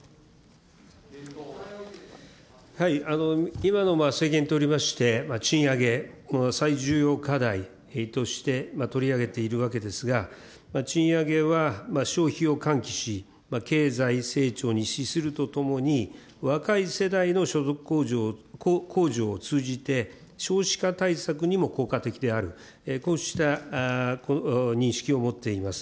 今の政権にとりまして賃上げ、最重要課題として取り上げているわけですが、賃上げは消費を喚起し、経済成長に資するとともに、若い世代の所得向上を通じて、少子化対策にも効果的である、こうした認識を持っています。